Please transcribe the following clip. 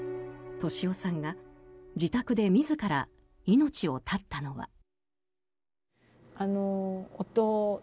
俊夫さんが自宅で自ら命を絶ったのは。